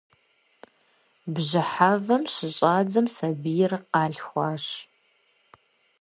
Бжьыхьэвэм щыщӏадзам сабийр къалъхуащ.